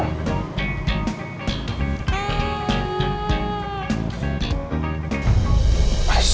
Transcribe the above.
nah gue mau ke rumah